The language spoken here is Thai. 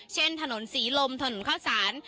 เช่นถนนศรีลมถนนข้าวสาร